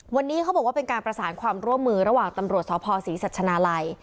วันนี้เขาบอกว่าเป็นการประสานความร่วมมือระหว่างตำรวจสภศรีสัชนาลัย